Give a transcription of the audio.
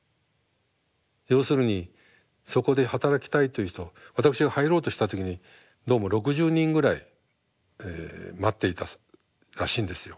要するにそこで働きたいという人私が入ろうとした時にどうも６０人ぐらい待っていたらしいんですよ。